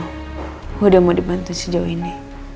aku udah mau dibantu sejauh ini